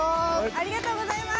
ありがとうございます。